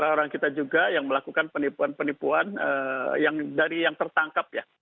orang kita juga yang melakukan penipuan penipuan dari yang tertangkap ya